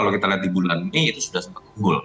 kalau kita lihat di bulan mei itu sudah sempat unggul